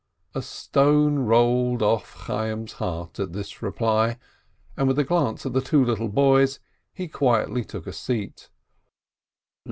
A stone rolled off Chayyim's heart at this reply, and, with a glance at the two little boys, he quietly took a seat.